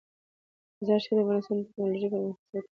مزارشریف د افغانستان د تکنالوژۍ پرمختګ سره تړاو لري.